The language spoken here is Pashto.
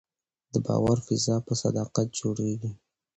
د باور فضا په صداقت جوړېږي